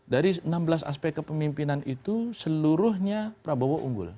dari enam belas aspek kepemimpinan itu seluruhnya prabowo unggul